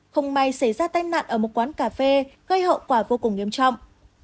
không may xảy ra tai nạn ở một quán cà phê gây hậu quả vô cùng nghiêm trọng